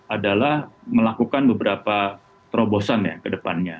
adalah melakukan beberapa terobosan ya ke depannya